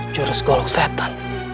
jurus golok setan